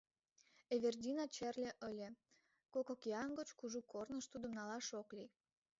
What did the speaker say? Эвердина черле ыле; кок океан гоч кужу корныш тудым налаш ок лий.